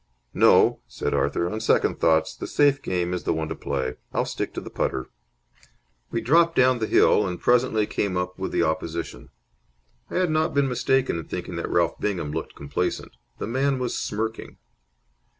"No," said Arthur. "On second thoughts, the safe game is the one to play. I'll stick to the putter." We dropped down the hill, and presently came up with the opposition. I had not been mistaken in thinking that Ralph Bingham looked complacent. The man was smirking.